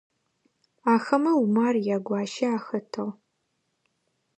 Ахэмэ Умар ягуащи ахэтыгъ.